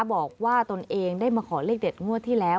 ตนเองได้มาขอเลขเด็ดงวดที่แล้ว